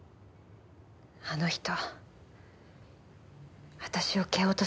あの人私を蹴落とそうとしたの。